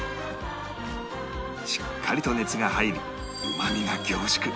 しっかりと熱が入りうまみが凝縮